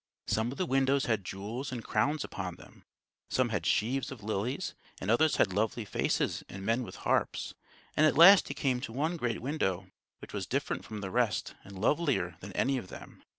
Some of the windows had jewels and crowns upon them; some had sheaves of lilies; and others had lovely faces and men with harps; and at last he came to one great window which was different from the rest and lovelier than any of them.